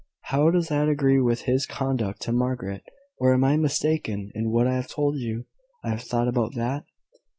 "How does that agree with his conduct to Margaret? Or am I mistaken in what I have told you I thought about that?